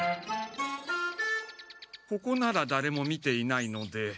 ここならだれも見ていないので。